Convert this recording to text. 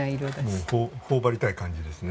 もう頬張りたい感じですね